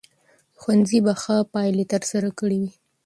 ښوونځي به ښه پایلې ترلاسه کړې وي.